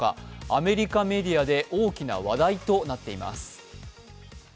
アメリカメディアで大きな話題となっています。